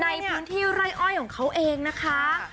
ในพื้นที่ไร่อ้อยของเขาเองนะคะ